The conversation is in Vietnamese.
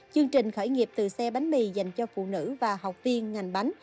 chương trình khởi nghiệp từ xe bánh mì dành cho phụ nữ và học viên ngành bánh